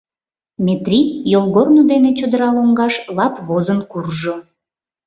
Метрий йолгорно дене чодыра лоҥгаш лап возын куржо.